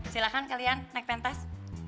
silahkan kalian naik pentas